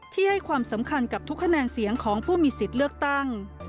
ให้ความสำคัญกับทุกคะแนนเสียงของผู้มีสิทธิ์เลือกตั้ง